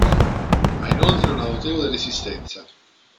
Ha inoltre una notevole resistenza.